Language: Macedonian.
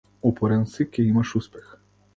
Упорен си ќе имаш успех.